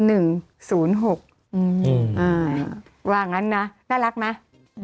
ว่างั้นนะน่ารักไหม